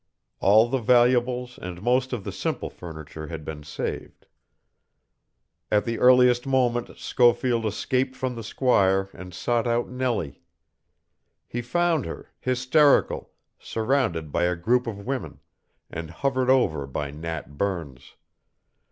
All the valuables and most of the simple furniture had been saved. At the earliest moment Schofield escaped from the squire and sought out Nellie. He found her, hysterical, surrounded by a group of women, and hovered over by Nat Burns.